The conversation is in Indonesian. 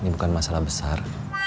ini bukan masalah besar